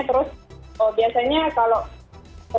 terus biasanya kalau